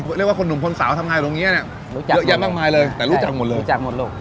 เรียกว่าคนหนุ่มคนสาวทำงานอยู่ตรงเนี้ยเยอะแยะมากมายเลยแต่รู้จักหมดเลยรู้จักหมดลูก